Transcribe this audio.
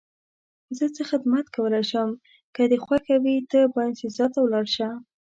زه څه خدمت کولای شم؟ که دې خوښه وي ته باینسیزا ته ولاړ شه.